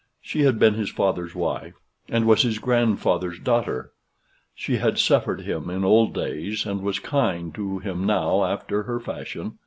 She had been his father's wife, and was his grandfather's daughter. She had suffered him in old days, and was kind to him now after her fashion.